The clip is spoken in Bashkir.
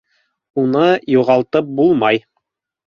Уны юғалтып булмай!